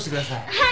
はい！